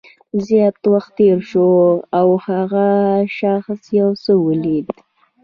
زیات وخت تېر شو او هغه شخص یو څه ولیدل